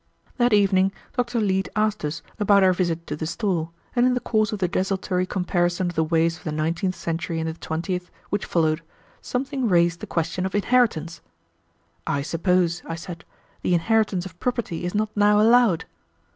That evening Dr. Leete asked us about our visit to the store, and in the course of the desultory comparison of the ways of the nineteenth century and the twentieth, which followed, something raised the question of inheritance. "I suppose," I said, "the inheritance of property is not now allowed."